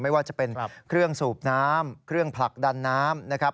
ไม่ว่าจะเป็นเครื่องสูบน้ำเครื่องผลักดันน้ำนะครับ